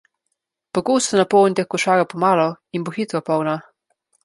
Pogosto napolnite košaro po malo in bo hitro polna.